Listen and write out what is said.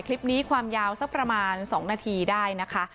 คลิปนี้ความยาวสักประมาณ๒นาทีได้นะคะ